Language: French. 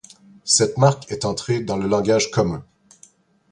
Cette marque est entrée dans le langage commun.